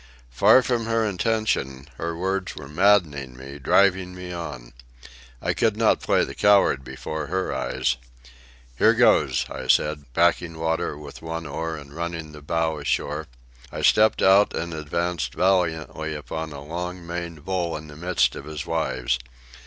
Far from her intention, her words were maddening me, driving me on. I could not play the coward before her eyes. "Here goes," I said, backing water with one oar and running the bow ashore. I stepped out and advanced valiantly upon a long maned bull in the midst of his wives.